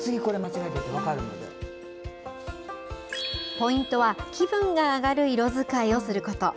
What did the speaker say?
ポイントは、気分が上がる色使いをすること。